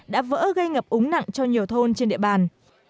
đã vỡ gây ngập úng nặng cho nhiều thôn trên địa bàn